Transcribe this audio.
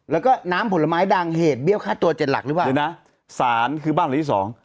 แล้วก็น้ำผลไม้ดังเหตุเบี้ยวฆ่าตัวเจ็ดหลักหรือเปล่าเดี๋ยวนะสารคือบ้านหลังที่สอง